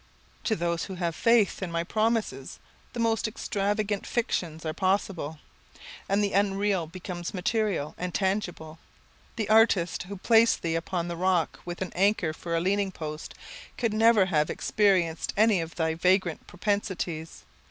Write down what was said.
To those who have faith in thy promises, the most extravagant fictions are possible; and the unreal becomes material and tangible. The artist who placed thee upon the rock with an anchor for a leaning post, could never have experienced any of thy vagrant propensities.